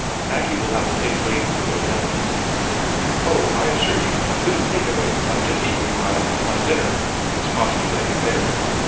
Maggie will have a place laid for you in a minute." "Oh, I assure you I couldn't think of it I've just eaten my my dinner," expostulated Theron.